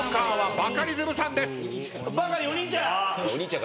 バカリお兄ちゃん！